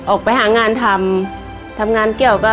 ออกไปหางานทำ